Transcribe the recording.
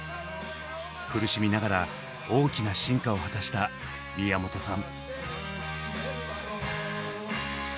苦しみながら大きな進化を果たした宮本さん。